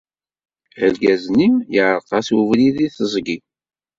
Argaz-nni yeɛreq-as ubrid deg teẓgi.